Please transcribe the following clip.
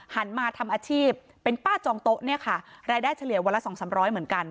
หันมาทำอาชีพเป็นป้าจองโต๊ะเนี่ยค่ะรายได้เฉลี่ยวันละสองสามร้อยเหมือนกัน